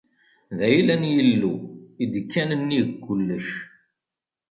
D ayla n Yillu i d-ikkan nnig kullec.